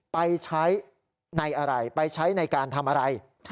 ไปใช้ในอะไรไปใช้ในการทำอะไร